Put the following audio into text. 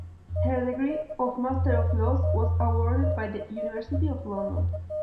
Her degree of Master of Laws was awarded by the University of London.